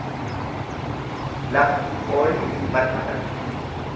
Lafa hin oolle hin barfatan.